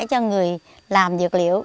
cho người làm dược liệu